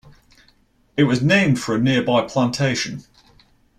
It was named for a nearby plantation.